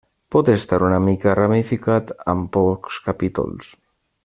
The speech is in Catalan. Pot estar una mica ramificat, amb pocs capítols.